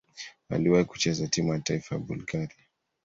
Aliwahi kucheza timu ya taifa ya Bulgaria.